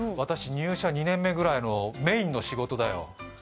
入社２年目くらいのメインの仕事だよ。